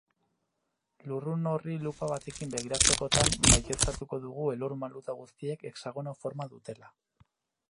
Lurrun horri lupa batekin begiratzekotan, baieztatuko dugu elur-maluta guztiek hexagono forma dutela.